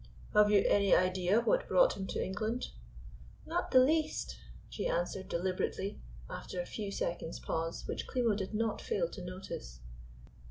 "Have you any idea what brought him to England?" "Not the least," she answered deliberately, after a few seconds' pause, which Klimo did not fail to notice.